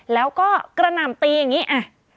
แล้วก็กระหน่ำตีอย่างนี้อ่ะ